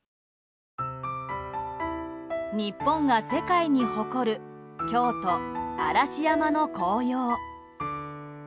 日本が世界に誇る京都・嵐山の紅葉。